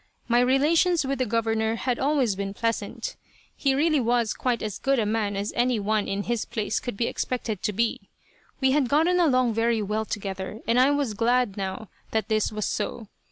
My relations with the Governor had always been pleasant. He really was quite as good a man as any one in his place could be expected to be. We had gotten along very well together, and I was glad now that this was so.